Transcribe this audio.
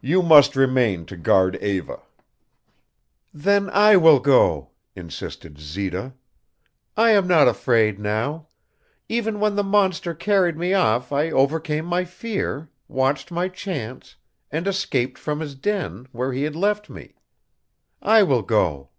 "You must remain to guard Eva." "Then I will go," insisted Zita. "I am not afraid now. Even when the monster carried me off I overcame my fear, watched my chance, and escaped from his den, where he left me. I will go."